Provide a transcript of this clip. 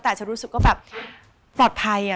แต่อาจจะรู้สึกก็แบบปลอดภัยอ่ะ